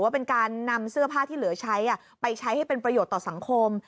ว่าเป็นการนำเสื้อผ้าที่เหลือใช้ไปใช้ให้เป็นประโยชน์ต่อสังคม